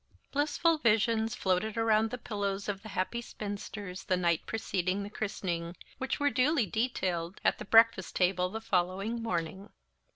Blissful visions floated around the pillows of the happy spinsters the night preceding the christening, which were duly detailed at the breakfast table the following morning.